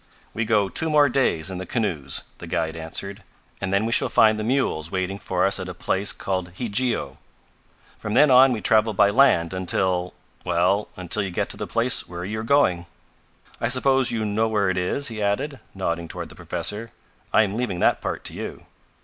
"We go two more days in the canoes," the guide answered, "and then we shall find the mules waiting for us at a place called Hidjio. From then on we travel by land until well until you get to the place where you are going. "I suppose you know where it is?" he added, nodding toward the professor. "I am leaving that part to you."